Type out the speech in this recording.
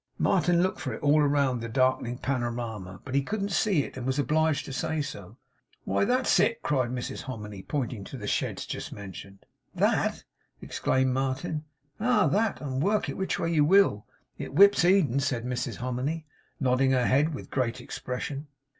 Martin looked for it all round the darkening panorama; but he couldn't see it, and was obliged to say so. 'Why that's it!' cried Mrs Hominy, pointing to the sheds just mentioned. 'THAT!' exclaimed Martin. 'Ah! that; and work it which way you will, it whips Eden,' said Mrs Hominy, nodding her head with great expression.